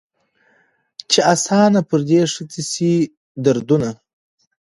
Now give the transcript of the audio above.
چي آسانه پر دې ښځي سي دردونه